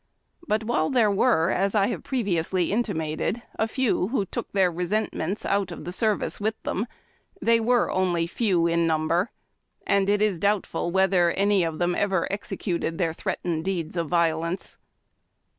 But while there were, as I have previously intimated, a few who took their resentments out of the ser vice with them, they were only few in number, and it is OFFENCES AND PUNISHMENTS. 15i doubtful whether any of them ever executed their threat ened deeds of violence.